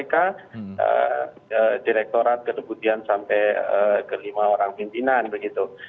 di mana direktorat ketebutian sampai kelima orang pimpinan begitu